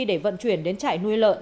để vận chuyển đến trại nuôi lợn